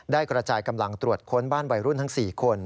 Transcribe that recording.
กระจายกำลังตรวจค้นบ้านวัยรุ่นทั้ง๔คน